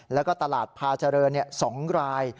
แล้วก็ตลาดพาเจริญ๒ราย